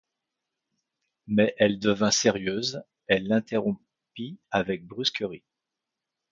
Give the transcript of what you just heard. Mais elle devint sérieuse, elle l’interrompit avec brusquerie.